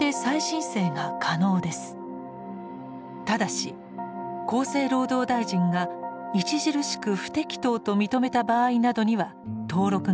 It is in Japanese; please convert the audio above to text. ただし厚生労働大臣が「著しく不適当」と認めた場合などには登録ができません。